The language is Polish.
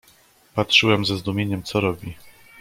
"Patrzyłem ze zdumieniem, co robi."